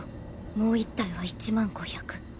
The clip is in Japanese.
もう１体は１０５００。